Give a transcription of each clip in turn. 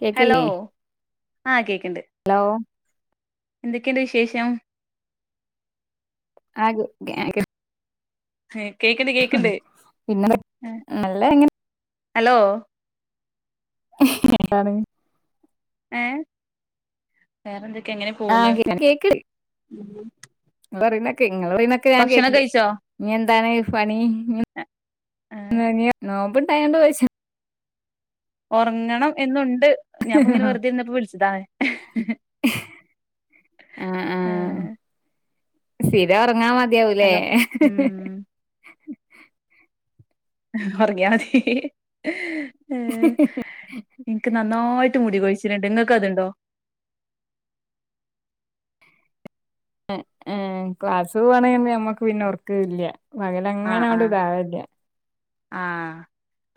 കേക്ക ഹലോ ആ കേക്ക്ണ്ട് ഹലോ എന്തൊക്കെയുണ്ട് വിശേഷം ആ [inaudible] കേക്കണ്ട് കേക്കണ്ട് പിന്നെ നല്ല ഹലോ എന്താണ് വേറെന്തൊ [unintelligible] ആഹ് കേ കേക്ക് ഉ പറയുന്നൊക്കെ ഇങ്ങ പറുന്നൊക്കെ ഞാൻ കേൾക്ക കഴിച്ചോ ഇനി എന്താണ് പണി നോമ്പണ്ടായണ്ട് ചോയ്ച്ച ഉറങ്ങണം എന്നുണ്ട് ഞാൻപ്പൊ ഇങ്ങനെ വെറുതെ ഇരുന്നപ്പോ വിളിച്ചതാണ് ആഹ സ്ഥിര ഒറങ്ങാ മതിയാവൂലേ ഉം ഉറങ്ങിയാ മതി ഏ എനിക്ക് നന്നായിട്ട് ഇട്ട മുടിികൊഴിച്ചിട്ടുണ്ട് ങ്ങക്കതുണ്ടോ ക്ലസ് പോണന്ന് നമ്മക്ക് പിന്നെ ഒറക്കല്യ പകല അങ്ങനെട് ഇതാവല്ല്യ ആഹ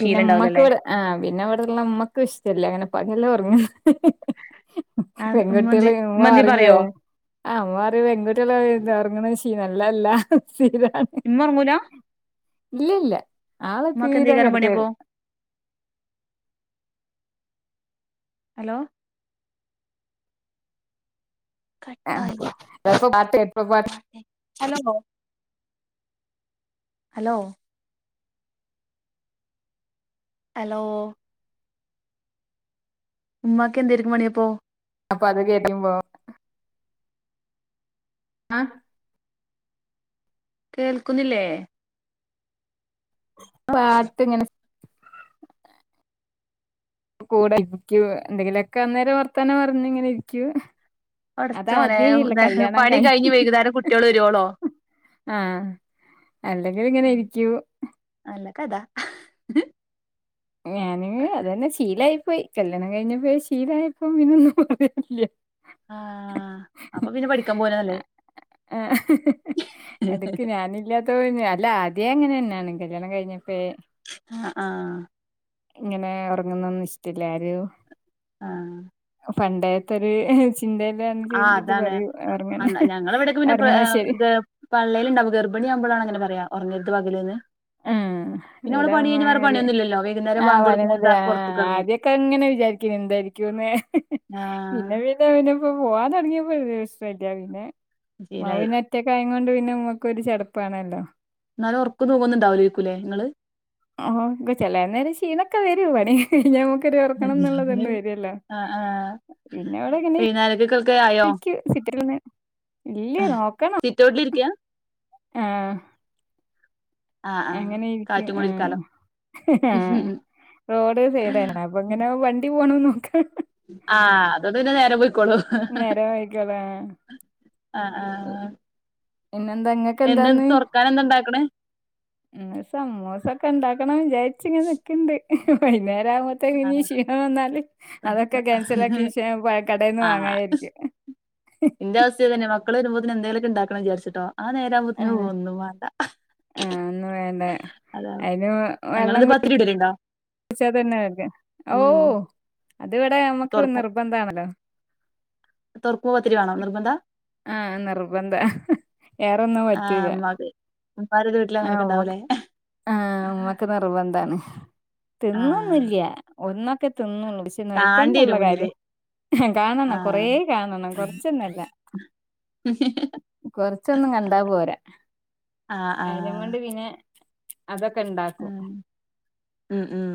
പിന്നെ ഉമ്മക്ക് ഇവിടെ ആ പിന്നെ ഇവിടെള്ള ഉമ്മക്ക് വിഷ്ടല്ലേ അങ്ങനെ പകല് ഒറങ്ങ ആ [inaudible] ഉമ്മ എന്ത് പെൺകുട്ട്യള് ഉമ്മ എന്തേം പറയോ [unintelligible] പേകുട്ട്യാള് ചീ നല്ലല്ലീത ഇമ്മൊർ ങ്ങൂല ഇല്ല ഇല്ല ആളെ തീരെ കെട [unintelligible] ഹലോ ഏ കട്ടായി എപ്പോ പാട്ട് എപ്പോ പാട്ട് ഹലോന്നോ ഹലോ ഹലോ ഉമ്മാക്ക് എന്തെരിക്കും പണിയപ്പോ അപ്പോ അത് [unintelligible] ആ കേൾക്കുന്നില്ലേ? പാട്ട് ഇങ്ങനെ കൂടെ ഇരിക്കും. എന്തെങ്കിലൊക്കെ അന്നേരം വർത്താനം പറഞ്ഞ് ഇങ്ങനെ ഇരിക്കും. അതാ പടച്ചോനെ ആദ്യേല്ല കല്യാണം പണി കഴി കഴിഞ്ഞ് വൈകുന്നേരം കുട്ടിയള് വരോളോ? ആഹ് അല്ലെങ്കിൽ ഇങ്ങനെ ഇരിക്കും. നല്ല [inaudible] ഞാന് അത് തന്നെ ശീലായി പോയി കല്യാണം കഴിഞ്ഞ് ഇപ്പ ശീലായപ്പം പിന്നൊന്നും പറയാൻ ഇല്ല്യ. ആഹ് അപ്പോ പിന്നെ പഠിക്കാൻ പോവന്നെ നല്ലത്. ആ അത്ക്ക് ഞാനില്ലാത്തപ്പോ ഞാ അല്ല ആ ദ്യേ അങ്ങനെന്നെ ആണ് കല്യാണം കഴിഞ്ഞപ്പഴേ. ആഹ് ആഹ് ഇങ്ങനെ ഒറങ്ങുന്നൊന്നും ഇഷ്ടല്ല ആരും പണ്ടേത്തൊരു ചി ആ അതാണ് അന്ന ഞങ്ങളെ ഇവിടൊക്കെ പിന്നെ പ ഏ ഉറങ്ങുന്നത് ശരി ഇത് പള്ളേൽ ഇണ്ടാവുമ്പോ ഗർഭി ണി ആവുമ്പഴാണ് അങ്ങനെ പറയ ഒറങ്ങര്ത് പകല്ന്ന്. ആഹ് പിന്നെ നമ്മള് ഇവിടെ പണി ഉമ്മ കഴിഞ്ഞ് വേറെ ആദ്യം. പണിയൊന്നുമില്ലല്ലോ വൈകുന്നേരം ആ ബാങ്ക് കൊടുക്കുമ്പോ പറയേര്ന്നുലെ ദാ ആ പുറത്തേക്ക് ഇറങ്ങും ആദ്യൊക്കെ ഇങ്ങനെ വിചാരിക്കേനു എന്താ യിരിക്കുംന്ന് ആഹ് പിന്നെ പിന്നെ പിന്നെ ഇപ്പോ പോവാൻ തൊടങ്ങിയപ്പോ ഒരു പ്രശ്നോം ഇല്ല്യ പിന്നെ ഉമ്മ ശീലായി പിന്നെ ഒറ്റക്കായോ യങ്ങോണ്ട് പിന്നെ ഉമ്മക്കും ഒരു ചടപ്പാണല്ലോ ഇന്നാലും ഒറക്ക് തൂങ്ങുന്നുണ്ടാവുലേക്കുംലെ ഇങ്ങള് ഓ ഇപ്പോ ചെലേ നേരം ക്ഷീണൊക്കെ വരും പണി കഴിഞ്ഞ നമ്മ ക്കൊരൊറങ്ങണംന്നുള്ളത് ഒന്ന് വരല്ലോ ആഹ് ആഹ് പിന്നെവിടെങ്ങനെ ഇ വൈകുന്നേരക്കൊക്കെ ആയോ രിക്കും സിറ്റൗട്ടില്ന്ന്. ഇല്ല്യ നോക്കണം. സിറ്റൗട്ടിൽ ഇരിക്കയാ ആഹ് ആഹ് ആഹ് അങ്ങനെയിരിക്കും കാറ്റും കൂടി ഇരിക്കാലോ ആഹ് ആഹ് റോഡ് സൈഡ് ആണ് അപ്പ ഇങ്ങനെ വണ്ടി പോണത് നോക്ക ആഹ് അതോണ്ട് പിന്നെ നേരം പൊയ് നേരം വയ്കല്ലോ ആഹ് ആഹ് ആഹ് പിന്നെന്താ ഇങ്ങക്കെന്ത എന്താ ഇന്ന് തുറക്കാൻ എന്താ ഉണ്ടാക്കണേ ഇന്ന് സമൂസ ഒക്കെ ഇണ്ടാക്കണം വിചാരിച്ച് ഇങ്ങനെ നിക്ക്ണ്ട് വൈന്നേ രാവുമ്പോത്തേക്ക് ഇനി ക്ഷീണം വന്നാല് അതൊക്കെ ക്യാൻസലാക്കി ക്ഷെ പ കടേന്ന് വാങ്ങ വിചാരിക്കും. ഇൻ്റെ അവസ്ഥയും ഇത് തന്നെ മക്കള് വരുമ്പോ ത്തിന് എന്തേലൊക്കെ ഇണ്ടാക്കണം വിചാരിച്ചുട്ടോ ആ നേരാവുമ്പോത്തിനും ആഹ് ഒന്നും വാണ്ട. അയെന്നെ. അയിന് വെള്ളം കുടി പത്തിരി ഇടലുണ്ടോ ച്ച തന്നെ [unintelligible] ഓ ഉം അത് ഇവിടെ നമ്മക്ക് തുറക്കും നിർബന്ധാണല്ലോ. തുറക്കുമ്പോ പത്തിരി വേണോ നിർബന്ധാ ആഹ് നിർബന്ധ. വേറൊന്നും ആഹ് പറ്റൂല. ഉമ്മാക്ക് ഉമ്മാരുടെ വീട്ടിൽ ആ അങ്ങനൊക്കെ ഉമ്മക്ക് ഉണ്ടാവൂലേ ആഹ് ഉമ്മക്ക് നിർബന്ധാണ്. ആഹ് തിന്നൊന്നുല്ല്യ ഒന്നൊക്കെ തിന്നോള്ളൂ പക്ഷെ കാണ്ടി നിർബന്ധള്ള വരും കാര്യ. മുന്നില് കാണണം കൊറെ ആഹ് കാണണം ആഹ് കൊറച്ചൊന്നും അല്ല. കൊറച്ചൊന്നും കണ്ടാ പോരാ ആഹ് അയതിനും ആഹ് കൊണ്ട് പിന്നെ അതൊക്കെ ഇണ്ടാക്കും ഉം ഉം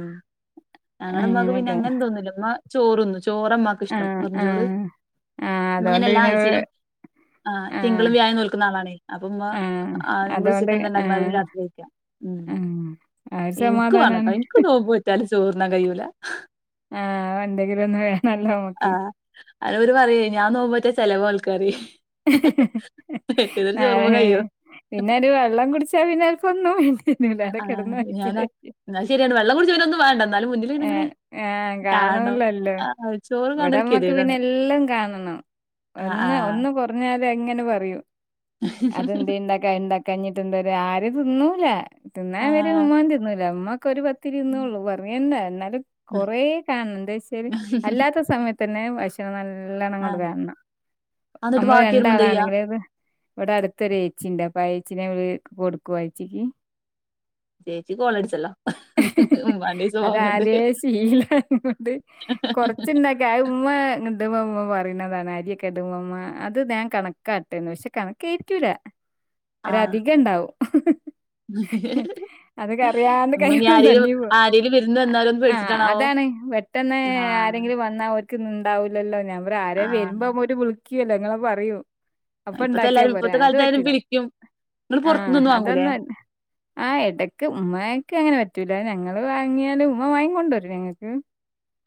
ഞങ്ങളെ ഇമ്മാക്ക്‌ പിന്നെ അങ്ങനെയൊക്കെ അങ്ങനെ ഇതൊന്നുല്ല ചോറ്ന്നും ചോറ് മ്മാക്ക് ഇഷ്ട്ടം ആഹ് വെറ്ഞ്ചോറ് ആഹ് ആഹ് മ്മാ ഇങ്ങനെ അതോണ്ട് എല്ലാ പിന്നെ ആഴ്ച്ചയിലും ആഹ് തിങ്കളും വ്യാഴം നോൽക്കുന്ന ആളാണേ അപ്പൊമ്മാ ആഹ് ഞങ്ങള് അതോണ്ട് ഉച്ചയ്ക്ക് എന്തുണ്ടാക്കുണത് അ ആഹ് രാത്രികഴിക്ക ഉം ആഹ് ആ ഒരു എനിക്ക് വാണംട്ടോ സമാധാനാണ് എനിക്ക് നോമ്പ് നോറ്റാല് ചോറ്ണ്ണാനും കഴിയൂല ആഹ് ഒണ്ടങ്കിലൊന്നും വേണല്ലോ ഞമ്മക്ക് അനെ ഒര് പറയേ ഞാൻ നോമ്പ് നോറ്റേല് ചെലവാ ഓൽക്ക്‌ പറയ് [unintelligible] ചോറുമ്മ കഴിയും പിന്നെ ഒരു വെള്ളം കുടിച്ചാ പിന്നെ ഓൽക്ക്‌ ഒന്നും വേ ആഹ് ഞാനാ അയ് ശെരിയാണ് വെള്ളം കുടിച്ചാ പിന്നൊന്നും വാണ്ട എന്നാലും മുന്നില് ഏ ഏ കാണുല്ലല്ലോ ആ ചോറ് കാണണ ഒരു ഇവിടെമ്മക്ക് പിന്നെ ഗതികേടാണ് എല്ലാം കാണണം ആ ആ ഒന്ന് ഒന്ന് കൊറഞ്ഞ അതെ ഇങ്ങനെ പറയും അതെന്ത്ണ്ടാക്ക ഉണ്ടാക്കാഞ് ഇത്എതൊരാ ആരും തിന്നൂല ആ തിന്നാൻ വരും മുയ്യൻ തിന്നൂല ഉമ്മക്കെര് പത്തിരി ഇന്നേള്ളൂ ബർ ന്ത എന്നാലും കൊറ കാണും എന്താച്ചാല് അല്ലാത്ത സമയത്തന്നെ ഭക്ഷണം ന നല്ലോണം ആ അങ്ങോട്ട് കാണാണം എന്നിട്ട് നമ്മള് ബാക്കി വരുമ്പോ എന്തെയ്യാ രണ്ടാളാണെങ്കിലത് ഇവ്ടെ അടുത്തൊരു എച്ചിണ്ട് അപ്പൊ ആ എച്ചിനെ കൊടുക്കുവ എച്ചിക്ക് ചേച്ചി കോളടിച്ചല്ലൊ ഉം രണ്ടീസം അതാദ്യ ശീലയം കൊണ്ട് കൊറച്ചുണ്ടാക്ക ആ ഉമ്മണ്ട് ഉമ്മ ഉമ്മ പറതാണ് അരിയൊക്കെ ഇടുമ്പോമ്മ അത് ഞാൻ കണക്കാട്ടന്ന് പഷേ കണക്കായിക്കൂല ആഹ് രധിക ഇണ്ടാവും അതൊക്കെ അറിയാണ്ട് ഉമ്മ ഇനി കൈന്ന് ആരേലും തന്നിപോ ആരേലും വിരുന്ന് വന്നാലോന്ന് ആഹ് പേടിച്ചിട്ടാണാവോ അതാണ് പെട്ടെന്ന് ആഹ് ആരെങ്കിലും വന്നാ ഓ വിളിക്കുന്നുണ്ടാവൂല്ലല്ലോ ഞാൻ പറയും ആരെ ആഹ് വരുമ്പോ ഓര് വിളിക്ക്‌ല്ലോ ഇങ്ങളെ അറിയും അപ്പൊ ഇപ്പത്തെ ണ്ടാക്കിയാ എല്ലാരും പോരെ ഇപ്പത്തെ അത് കാലത്ത് എല്ലാരും പറ്റില്ല വിളിക്കും ഇങ്ങള് ആഹ് പൊറത്ത്ന്നൊന്നും വാങ്ങൂലേ അതൊന്നും ആ എടക്ക് ഉമ്മക്ക് അങ്ങനെ പ പറ്റൂല ഞങ്ങള് വാങ്ങിയാല് ഉമ്മ വാങ്ങികൊണ്ടുരും ഞങ്ങൾക്ക്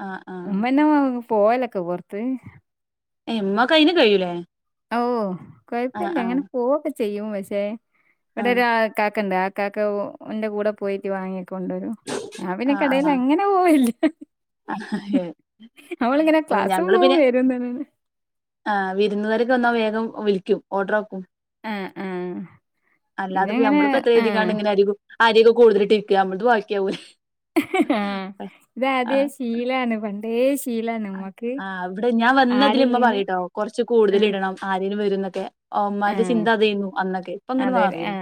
ആഹ് ആഹ് ഉമ്മന്നെ വാങ്ങും പോയലൊക്കെ പൊറത്ത് എ മ്മക്ക്‌ അയിന് കഴിയൂലേ ഓ ആഹ് കൊഴപ്പില്ല ആഹ് അങ്ങനെ പോവൊക്കെ ചെയ്യും പഷേ ഇവിടെ ആഹ് ഒര് ഇക്കാക്കണ്ട് കക്കാക്കന്റെ കൂടെ പോയിട്ട് വാങ്ങി കൊണ്ടുരും ഞാൻ പിന്നെ കടല് അങ്ങനെ പോവലില്ല ആ ക്ലാസ് ഞങ്ങള് പോവും പിന്നെ വരും തന്നെ ആഹ് വിരുന്നുകാരൊക്കെ വന്നാ വേഗം വിലിക്കും ഓർഡർ ആക്കും ആഹ് ആഹ് അല്ലാതിപ്പോ ഞമ്മള് ഇപ്പം എത്ര കരീതിക്കാണ് ഇങ്ങനെ അരി കു അരിക്കെ കുടുതലിട്ട് ഇരിക്ക ഞമ്മളത് ബാക്കിയാവൂലെ ആഹ് ഇതാദ്യേ ശീലാണ് പണ്ടേ ശീ ആഹ് ഇവിടെ ഞാൻ വന്നതില്മ്മ ആരില്ലെങ്കിലും പറയ്ട്ടോ കൊറച്ച് ആ കൂടുതൽ ഇടണം ആരും വരുന്നൊക്കെ ഓ ആ മ്മാന്റെ ചിന്ത അതെയ്ന്നു അന്നൊക്കെ ഇപ്പൊ ഒന്നങ്ങിടു അതെ മാറിണ്ണു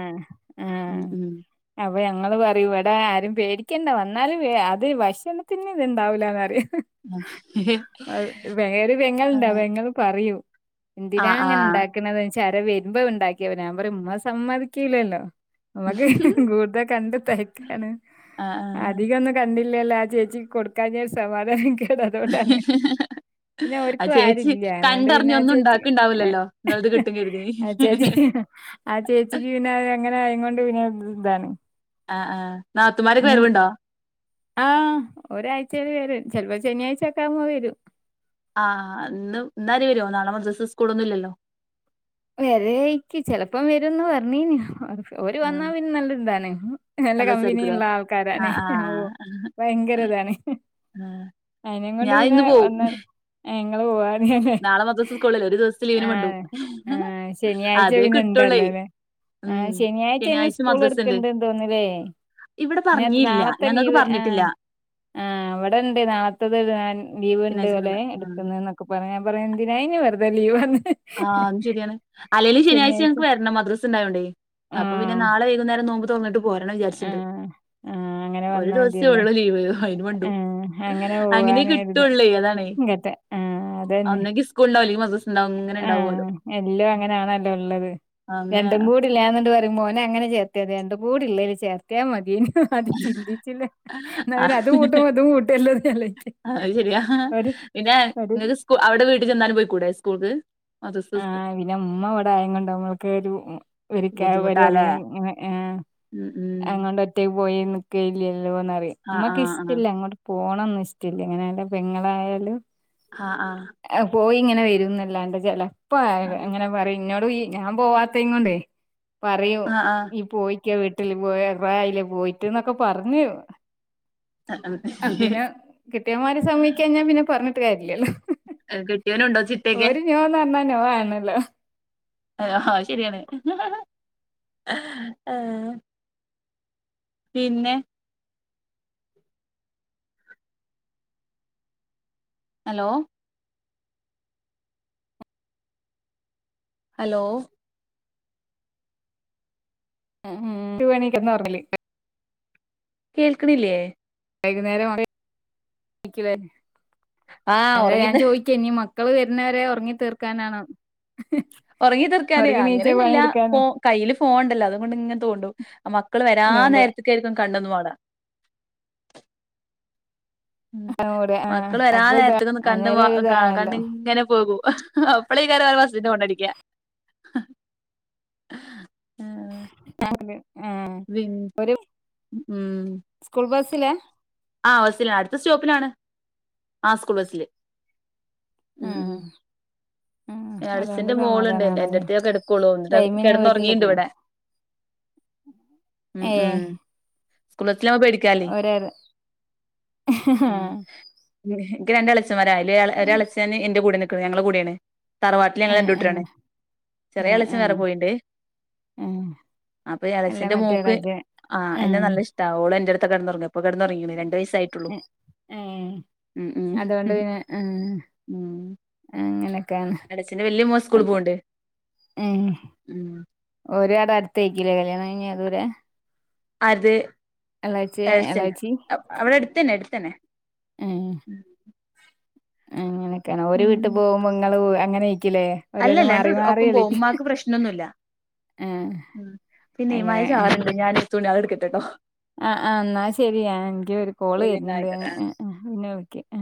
ഉം ഉം അപ്പ ഞങ്ങള് പറയും ഇവ്ടെ ആരും പേടി ക്കണ്ട വന്നാല് അത് ഭക്ഷണത്തിന് ഇത്ണ്ടാവില്ലന്ന്റയും വേറെ പെങ്ങള്ണ്ട് ആഹ് പെങ്ങള് പറയും എന്തിനാ ആഹ് ഇങ്ങനെ ആഹ് ഇണ്ടാക്ക്‌ണത് ന്ന്ച്ച വരുമ്പോ ഉണ്ടാക്കിയ ഞാൻ പറയും ഉമ്മ സമ്മതിക്കുലല്ലോ ഞമ്മക്ക് കൂടുത കണ്ട് തയ്ക്കാണ് ആഹ് അധികൊന്നും കണ്ടി ഇല്ലല്ല ആ ചേച്ചിക്ക് കൊടുക്കഞാ ഒര് സമാധാന കേട അതുകൊണ്ടാണ് പിന്നെ ആ ഓര്ക്കും ചേച്ചി ആരുംല്ല അതുകൊണ്ട് പിന്നെ കണ്ടറിഞ്ഞ് ആ ഒന്നും ചേച്ചി ഉണ്ടാക്ക്ണ്ടാവൂലല്ലോ ഇങ്ങളത് കിട്ടും കരുതി ആ ചേച്ചി ആ ചേച്ചിക്ക് പിന്നെ എങ്ങനെ ആയം കൊണ്ട് പിന്നെ ഇതാണ് ആ ആ നാത്തുമാരൊക്കെ ഉം വരവ്ണ്ടോ ആഹ് ഒരാഴ്ചയില് വരും ചെലപ്പോ ശനിയാഴ്ച ഒക്കെ ആവ്മ്പം വരും ആഹ് ഇന്ന് ഇന്ന അവര് വരുവോ നാളെ മദ്രസ് സ്കൂളൊന്നും ഇല്ലല്ലോ വേര അയ്ക്കും ചിലപ്പോ വരുമ്ന്ന് പറഞ്ഞിന് ഒര് വന്നാ ആഹ് പിന്നെ നല്ല ഇതാണ് നല്ല കമ്പനിയുള്ള ആൾക്കാരാണ് ആഹ് ഓ ആഹ് ഭയങ്കര ഇതാണ് അതിനും കൊണ്ട് ഞാൻ പിന്നെ ഇന്ന് പോവും വന്ന ഞങ്ങള് പോവാ നാളെ മദ്രസ സ്കൂൾ ഇല്ലേ ഒരു ദിവസത്തെ ലീവിന് വെരണ്ടു ആഹ് ആഹ് ശനിയാഴ്ച പിന്നെ ഇണ്ടല്ലോ അല്ലെ ഉം ആഹ് ശനിയാഴ്ച ഇനി സ്കൂൾ മദ്രസ ഇണ്ട് എടുക്കണ്ടന്ന് തോന്നുന്നല്ലേ ഇവിടെ നേത്തെ പറഞ്ഞില്ല നാളത്തെ ഞങ്ങൾക്ക് ലീവ് പറഞ്ഞിട്ടില്ല ആഹ് ആഹ് അവിടെണ്ട് നാളത്തെത് ഞാൻ ലീവ് ഉണ്ട് ശനിയാഴ്ച പോലെ എടുക്കണ്ട ഉം എടുക്കുന്നെന്നൊക്കെ പറഞ്ഞ പറ എന്തിനായിയിന് വെറുതെ ലീവെന്ന് ആഹ് മ് ശരിയാണ് അല്ലേലും ശനിയാഴ്ച ഞങ്ങക്ക് വരണം മദ്രസ് ഉണ്ടായൊണ്ടേ അപ്പ പിന്നെ ആഹ് നാളെ വൈകുന്നേരം നോമ്പ് തോറന്നിട്ട് പോരണം വിചാരിച്ചിണ്ട് ആഹ് ആഹ് അങ്ങനെ ഒരു വന്നാ ദിവസേ മതിയല്ലേ ഉള്ളു ലീവ് അയിന് വേണ്ടു ആഹ് അങ്ങനെ പോവാനായിരുന്നു കിട്ടുവൊള്ളെ അതാണ് ഇങ്ങത്തെ ആഹ് ഒന്നങ്കി ഉസ്കൂളിണ്ടാവും അല്ലെ മദ്രസ ഉണ്ടാവും അങ്ങനെ ആ ഹ് എല്ലാം അങ്ങനെയാണല്ലോ ഉള്ളത് ആ, അങ്ങനെ രണ്ടും കൂടില്ല ണ്ട് പറയും മോനെ അങ്ങനെ ചേർത്തിയാതിയന്ന് രണ്ടു കൂടെ ഉള്ളത് ചേർത്തിയാമതിയെന്ന് അത് ആ, ചിന്തിച്ചില്ലേന്നത് അത് കൂട്ടും ഇതു കൂട്ടുവല്ലോന്നാലോയ്ക്ക അത് ശരിയാ പിന്നെ നിങ്ങക്ക് സ്കു അവിടെ വീട്ടിൽ ചെന്നാലും പോയിക്കൂടെ സ്കൂൾക്ക് [inaudible] ആയിൻ ഉമ്മ അവിടെ ആയകൊണ്ട് നമ്മക്ക് ഒരു മ് ഒരു കാ ബുദ്ധിമുട്ടാല്ലേ ഒരറിവ് ഇങ്ങനെ ആഹ് ഉം ഉം അങ്ങൊണ്ട് ഒറ്റയ്ക്ക് പോയി നിക്ക് നോക്കോയില്ലല്ലോന്നറിയാം ആ ആ ഇമ്മക്ക് ആ ഇഷ്ടമില്ല അങ്ങോട്ട് പോണോന്ന് ഇഷ്ടമില്ല ഇങ്ങനെ പെങ്ങളായാലും ആഹ് ആഹ് പോയി ഇങ്ങനെ വരുംന്നല്ലാണ്ട് ചിലപ്പ എങ്ങനെ പറയും ഇന്നോട് ഞാൻ പോവാത്ത കൊണ്ടേ പറയും ആ ആ ഈ പോയി വീട്ടല് പോ കൊറേ ആയില്ലേ പോയിട്ടന്നൊക്കെ പറഞ്ഞു ഉം. ആഹ് പിന്നെ കെട്ടിയോന്മാർ സമ്മതിക്കാൻ പിന്നെ പറഞ്ഞിട്ട് കാര്യല്ലല്ലോ [inaudible] കെട്ടിയവനുണ്ടോ ചിട്ടയൊക്കെ ഓര് നോന്ന് പറഞ്ഞാ നോ ആണല്ലോ ആഹ് ഹാ അതുശരിയാണ് ആഹ് പിന്നെ ഹലോ ഹലോ [inaudible] കേൾക്കണില്ലേ വൈകുന്നേരം [inaudible] ആഹ് ഉറങ്ങി ഞാൻ ത- ചോദിക്ക [inaudible] മക്കൾ വരുന്നവരെ ഉറങ്ങി തീർക്കാനാണോ ഉറങ്ങി തീർക്കാനെ ഉറങ്ങി നീച്ച അങ്ങനെയൊന്നുമില്ല ഇപ്പോ പണിയെടുക്കാന് കയ്യിൽ ഫോണുണ്ടല്ലോ അതുകൊണ്ട് ഇങ്ങനെ തോണ്ടും മക്കൾ വരാ ആഹ് അതുകൊണ്ട് നേരത്തെക്കായിരിക്കും കണ്ണൊന്നു മാട ഉമ് അങ്ങോട് ആ മക്കള് അപ്പൊ ഇതാ വരാനേരത്തേക്ക ഒന്ന് കണ്ണ് അന്നേരം ഒരിതാണല്ലോ കണ്ണിങ്ങനെ പോകൂ അപ്പളായിരിക്കും ബസിന്റെ ഹോൺ അടിക്കുക ആഹ് അതെ പിൻ ഒരു ഉം സ്കൂൾ ബസ് സിലാ ആഹ് ബസ്സില് അടുത്ത സ്റ്റോപ്പിനാണ് ആഹ് സ്കൂൾ ബസ്സില് ഉം മ് ഉം [unintelligible] മോളുണ്ട് എൻ എന്റടുത്തെ കിടക്കൊള്ളൂ ടൈമിന് കിടന്നുറങ്ങിണ്ട് വീട്ടിലെത്തി ഇവിടെ മ് മ് ഏഹ് സ്കൂ പഠിക്കാല് ഒരാൾ മ് എനിക്ക് രണ്ട് ഇളച്ചിമാരാണ് അതിൽ ഉം ഒരേളച്ചി എന്റെ കൂടെ നിൽക്കും ഞങ്ങള്ടെ കൂടിയാണ് തറവാട്ടിൽ ഞങ്ങ ആഹ് രണ്ടു ആഹ് കൂട്ടരാണ് ചെറിയ ആഹ് എളച്ചി വേറെ ആഹ് പോയിണ്ട് ആഹ് അപ്പൊ അല്ല എളച്ചിൻ്റെ മറ്റേ മോൾക്ക് രാജ ആഹ് എന്നെ നല്ല ഇഷ്ടാ ഓള് എന്റെ അടുത്ത കിടന്ന് ഉറങ്ങ ഇപ്പൊ കിടന്നുറങ്ങി രണ്ട് വയസ്സ് ആയിട്ടുള്ളു. ഏഹ് ഉം ഉം അതുകൊണ്ട് പിന്നെ ആഹ് ഉം. അങ്ങനെയൊക്കെയാണ് എളച്ചിൻ്റെ വലിയ മോൻ സ്കൂള് പോവണ്ട്. ഉം ഓര് അവിടെ അടുത്തായിരിക്കില്ലേ കല്യാണം കഴിഞ്ഞ അവരെ. അതെ. എളാച്ചി അവിടെ അടുത്തന്നെ എടുത്തന്നെ. അങ്ങനൊക്കെയ ഒരു വീട്ടിൽ പോകുമ്പോ നിങ്ങള് അങ്ങനെ അല്ലല്ല രണ്ട് ഒപ്പം പോവും ഉമ്മാക്ക് പ്രശ്നൊന്നുല്ല. ആഹ് ഉം പിന്നെ മഴ അങ്ങനെ ചാറുണ്ട് ഞാൻ തുണികൾ എടുക്കട്ടെട്ടോ. ആ ആ എന്നാ ശരിയ എനിക്ക് ഒരു കോള് വരുന്നുണ്ട്. വെയിലില്ലായിട്ട ആ പിന്നെ വിളിക്ക ആ.